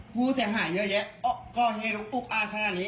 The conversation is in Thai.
ผู้เสียหายเยอะแยะโอ๊ะก็ให้เดินปุ๊กอ่านขนาดนี้